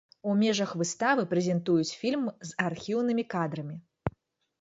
У межах выставы прэзентуюць фільм з архіўнымі кадрамі.